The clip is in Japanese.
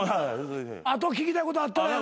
あと聞きたいことあったらやな。